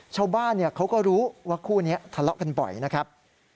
ชาวบ้านเขาก็รู้ว่าคู่นี้ทะเลาะกันบ่อยนะครับ